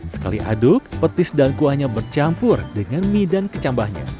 sekali aduk petis dan kuahnya bercampur dengan mie dan kecambahnya